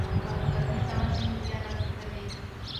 که غلطی سمه شي نو بیا نه تکراریږي.